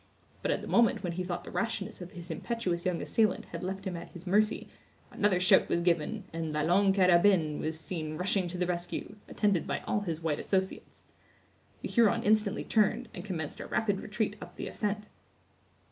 But at the moment when he thought the rashness of his impetuous young assailant had left him at his mercy, another shout was given, and La Longue Carabine was seen rushing to the rescue, attended by all his white associates. The Huron instantly turned, and commenced a rapid retreat up the ascent.